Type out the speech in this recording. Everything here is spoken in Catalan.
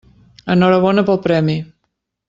Enhorabona pel premi.